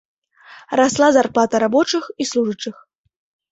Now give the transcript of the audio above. Расла зарплата рабочых і служачых.